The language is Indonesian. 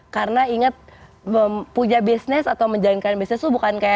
karena inget punya bisnis atau menjalankan bisnis tuh bukan kayak lari sprint